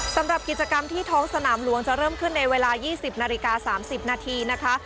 สำหรับกิจกรรมที่ท้องสนามหลวงจะเริ่มขึ้นในเวลา๒๐นาฬิกา๓๐นาทีนะคะ